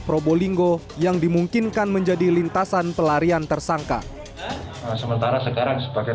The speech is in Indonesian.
probolinggo yang dimungkinkan menjadi lintasan pelarian tersangka sementara sekarang sebagai